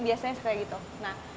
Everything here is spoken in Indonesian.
biasanya seperti itu nah